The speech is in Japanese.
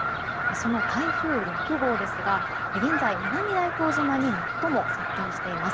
その台風６号ですが現在、南大東島に最も接近しています。